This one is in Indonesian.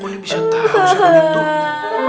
kau ini bisa tahu siapa itu